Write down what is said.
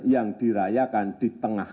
yang dirayakan di tengah